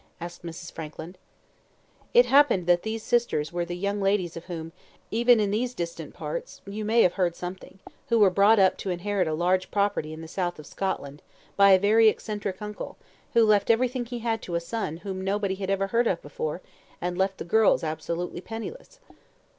asked Mrs. Frankland. "It happened that these sisters were the young ladies of whom, even in these distant parts, you may have heard something; who were brought up to inherit a large property in the south of Scotland, by a very eccentric uncle, who left everything he had to a son whom nobody had ever heard of before, and left the girls absolutely penniless."